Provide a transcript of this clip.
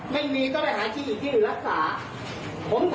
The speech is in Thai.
ไม่มีก็ได้หาที่อีกที่หรือรักษา